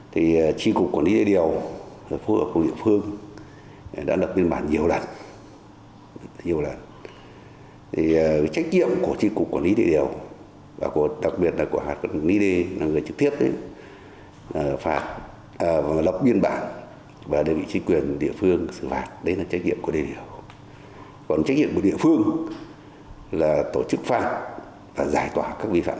theo thống kê của tri cục quản lý đê điều sở nông nghiệp và phát triển nông thôn tỉnh hưng yên